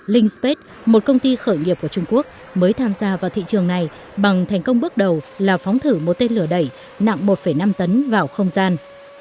linh space một công ty khởi nghiệp của trung quốc mới tham gia vào thị trường này bằng thành công bước đầu là phóng thử một tên lửa đẩy nặng một năm tấn vào không gian